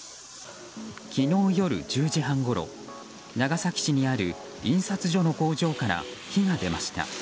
昨日夜１０時半ほど長崎市にある印刷所の工場から火が出ました。